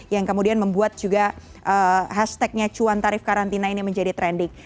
yang kemudian membuat juga hashtagnya cuan tarif karantina ini menjadi trending